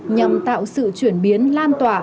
nhằm tạo sự chuyển biến lan tỏa